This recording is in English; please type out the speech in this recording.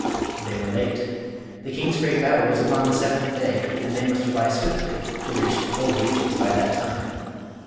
They were late. The king's great battle was upon the seventh day, and they must fly swiftly to reach the Polar regions by that time.